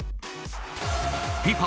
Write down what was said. ＦＩＦＡ